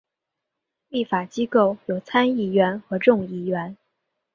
立法机构有参议院和众议院。